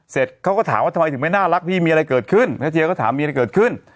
เสร็จเขาก็ถามว่าทำไมถึงไม่น่ารักพี่มีอะไรเกิดขึ้นณเจียก็ถามมีอะไรเกิดขึ้น